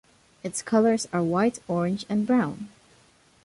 Its colors are white, orange, and brown.